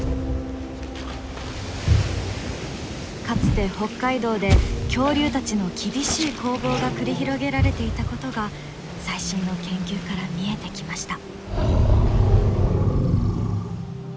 かつて北海道で恐竜たちの厳しい攻防が繰り広げられていたことが最新の研究から見えてきました。